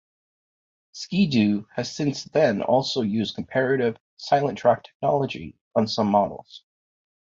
Ski-Doo has since then also used comparative "silent track technology" on some models.